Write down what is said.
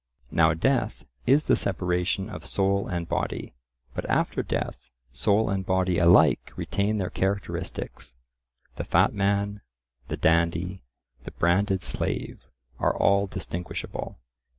Now death is the separation of soul and body, but after death soul and body alike retain their characteristics; the fat man, the dandy, the branded slave, are all distinguishable.